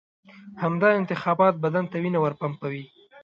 همدا انتخابات بدن ته وینه ورپمپوي.